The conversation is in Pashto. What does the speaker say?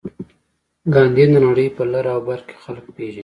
ګاندي د نړۍ په لر او بر کې خلک پېژني.